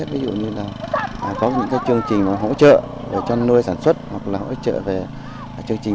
ví dụ như là có những cái chương trình hỗ trợ cho nuôi sản xuất hoặc là hỗ trợ về chương trình một trăm ba mươi năm